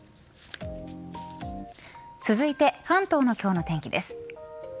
続いて関東の今日の天気です。